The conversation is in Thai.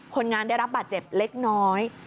คนงานได้รับบาดเจ็บเล็กน้อย